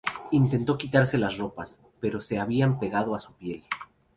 Intentó quitarse las ropas, pero se habían pegado a su piel.